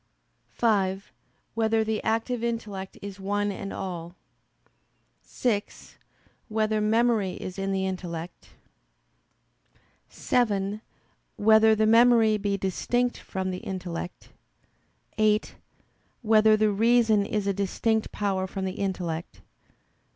(5) Whether the active intellect is one in all? (6) Whether memory is in the intellect? (7) Whether the memory be distinct from the intellect? (8) Whether the reason is a distinct power from the intellect?